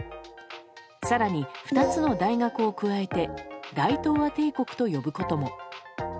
更に２つの大学を加えて大東亜帝国と呼ぶことも。